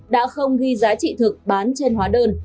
đã không ghi giá trị thực bán trên hóa đơn